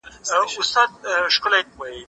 زه د تکړښت لپاره تللي دي!.